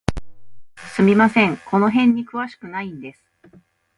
すみません、この辺に詳しくないんです。